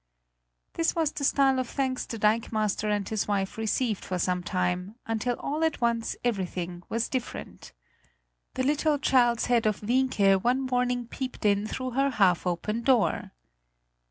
This was the style of thanks the dikemaster and his wife received for some time, until all at once everything was different. The little child's head of Wienke one morning peeped in through her half open door.